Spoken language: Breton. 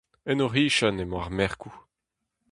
En o c'hichen emañ ar merkoù.